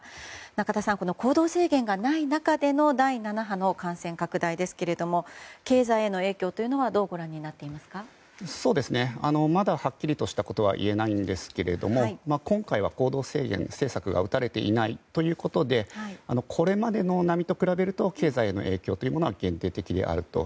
仲田さん、行動制限がない中での第７波の感染拡大ですが経済への影響というのはどうご覧になっていますか？まだはっきりとしたことは言えないんですが今回は、行動制限政策が打たれていないということでこれまでの波と比べると経済への影響というのは限定的であると。